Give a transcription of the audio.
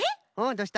どうした？